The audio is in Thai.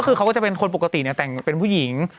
ก็คือเขาก็จะเป็นคนปกติเนี่ยแต่งเป็นผู้หญิง